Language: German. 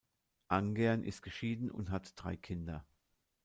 Angehrn ist geschieden und hat drei Kinder.